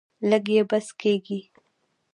لږ یې بس کیږي.